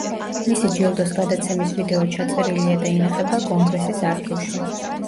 მისი ჯილდოს გადაცემის ვიდეო ჩაწერილია და ინახება კონგრესის არქივში.